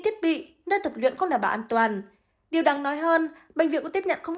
thiết bị nơi tập luyện không đảm bảo an toàn điều đáng nói hơn bệnh viện cũng tiếp nhận không